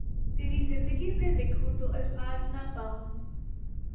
تیری زندگی پھ لکھوں تو الفاظ نہ پاؤں